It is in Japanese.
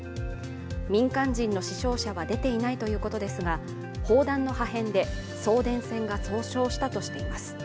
民間人の死傷者は出ていないということですが、砲弾の破片で送電線が損傷したとしています。